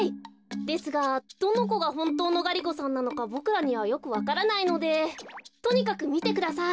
ですがどのこがほんとうのガリ子さんなのかボクらにはよくわからないのでとにかくみてください。